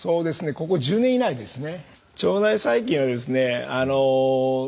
ここ１０年以内ですね。